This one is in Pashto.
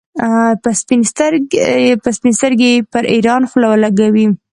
په سپین سترګۍ پر ایران خوله لګوي.